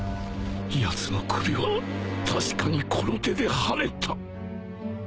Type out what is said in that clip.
やつの首は確かにこの手ではねた